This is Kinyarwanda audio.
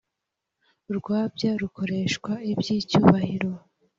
urwabya rukoreshwa iby’icyubahiro.